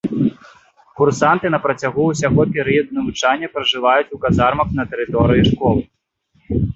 Курсанты на працягу ўсяго перыяду навучання пражываюць у казармах на тэрыторыі школы.